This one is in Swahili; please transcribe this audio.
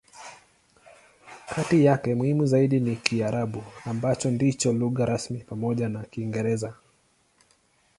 Kati yake, muhimu zaidi ni Kiarabu, ambacho ndicho lugha rasmi pamoja na Kiingereza.